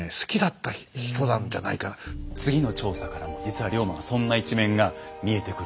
次の調査からも実は龍馬のそんな一面が見えてくるんですよ。